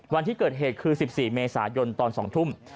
วันที่เกิดเหตุคือ๑๔เมษายนตอน๒ทุ่ม